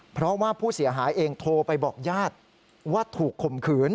เพราะว่าผู้เสียหายเองโทรไปบอกญาติว่าถูกข่มขืน